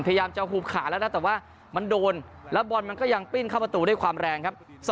พยายามจะหุบขาแล้วนะแต่ว่ามันโดนแล้วบอลมันก็ยังปิ้นเข้าประตูด้วยความแรงครับ